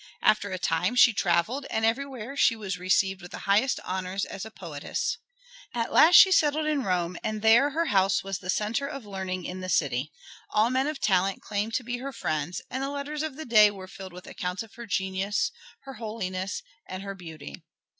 After a time she traveled and everywhere she was received with the highest honors as a poetess. At last she settled in Rome, and there her house was the centre of learning in the city. All men of talent claimed to be her friends, and the letters of the day were filled with accounts of her genius, her holiness, and her beauty.